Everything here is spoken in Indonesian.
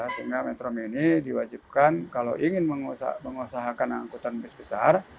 sehingga metro mini diwajibkan kalau ingin mengusahakan angkutan bus besar